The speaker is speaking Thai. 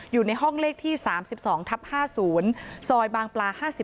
อยู่ในห้องเลขที่๓๒ทับ๕๐ซอยบางปลา๕๔